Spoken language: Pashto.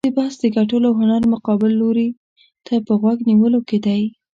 د بحث د ګټلو هنر مقابل لوري ته په غوږ نیولو کې دی.